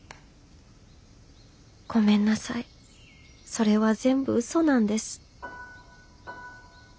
ごめんなさいそれは全部ウソなんです